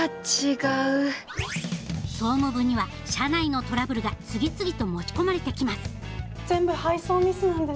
総務部には社内のトラブルが次々と持ち込まれてきます全部配送ミスなんです。